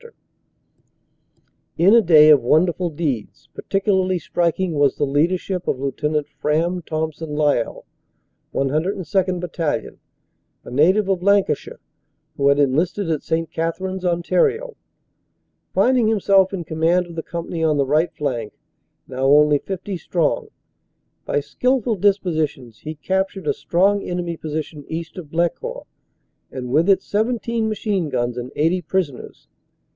262 CANADA S HUNDRED DAYS In a day of wonderful deeds, particularly striking was the leadership of Lieut. Fraham Thomson Lyall, 102nd. Battalion, a native of Lancashire who had enlisted at St. Catharines, Ont. Finding himself in command of the company on the right flank, now only 50 strong, by skilful dispositions he captured a strong enemy position east of Blecourt, and with it 17 machine guns and 80 prisoners.